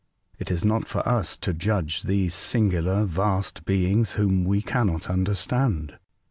It is not for us to judge these singular, vast beings, whom we cannot understand.'